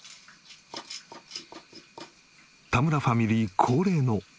田村ファミリー恒例の。